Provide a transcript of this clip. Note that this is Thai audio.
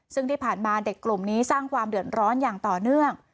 ซึ่งที่ผ่านมาเด็กกลุ่มนี้สร้างความเดือดร้อนอย่างต่อเนื่อง